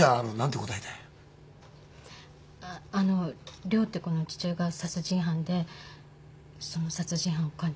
あの涼って子の父親が殺人犯でその殺人犯を完ちゃんが。